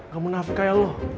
gak menafik kayak lo